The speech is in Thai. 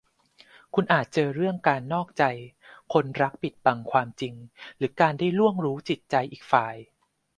คุณอาจเจอเรื่องการนอกใจ คนรักปิดบังความจริง หรือการได้ล่วงรู้จิตใจอีกฝ่าย